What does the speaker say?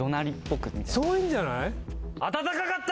それいいんじゃない。